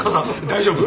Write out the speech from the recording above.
大丈夫。